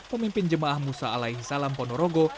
pemimpin jemaah musa alaihi salam ponorogo